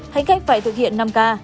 hành khách phải thực hiện năm k